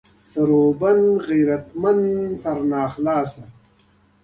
د جهاد له پيل څخه له اسعارو سره را ننوتل.